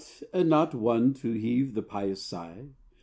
and not one to heave the pious sigh!